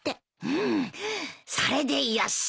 うんそれでよし。